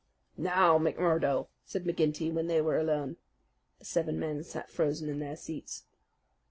"Now, McMurdo!" said McGinty when they were alone. The seven men sat frozen in their seats.